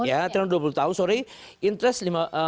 ya tenor dua puluh tahun sorry